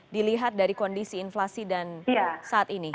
dilihat dari kondisi inflasi dan saat ini